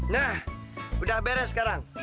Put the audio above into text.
nah udah beres sekarang